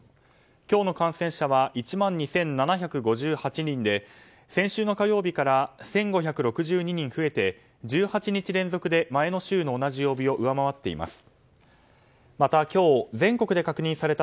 今日の感染者は１万２７５８人で先週の火曜日から１５６２人増えて１８日連続で前の週の同じ曜日を上回っています。